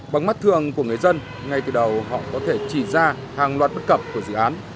bằng mắt thường của người dân ngay từ đầu họ có thể chỉ ra hàng loạt bất cập của dự án